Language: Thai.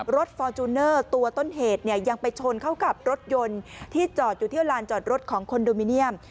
ฟอร์จูเนอร์ตัวต้นเหตุเนี่ยยังไปชนเข้ากับรถยนต์ที่จอดอยู่ที่ลานจอดรถของคอนโดมิเนียม